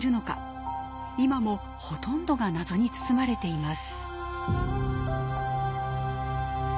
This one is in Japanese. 今もほとんどが謎に包まれています。